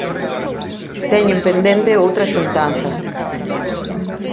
Teñen pendente outra xuntanza.